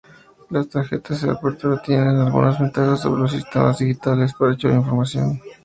Las tarjetas de apertura tienen algunas ventajas sobre los sistemas digitales para archivar información.